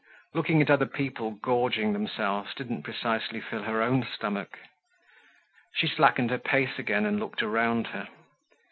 Looking at other people gorging themselves didn't precisely fill her own stomach. She slackened her pace again and looked around her.